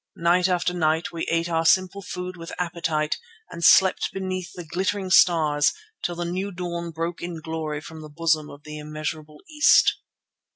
Night after night we ate our simple food with appetite and slept beneath the glittering stars till the new dawn broke in glory from the bosom of the immeasurable East.